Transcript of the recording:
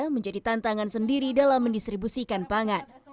menjadi tantangan sendiri dalam mendistribusikan pangan